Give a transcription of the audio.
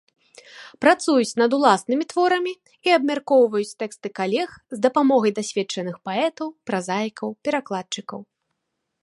Працуюць над ўласнымі творамі і абмяркоўваюць тэксты калег з дапамогай дасведчаных паэтаў, празаікаў, перакладчыкаў.